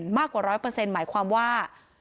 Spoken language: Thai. มากกว่า๑๐๐หมายความว่า